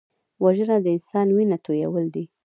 وژنه د انسان وینه تویول دي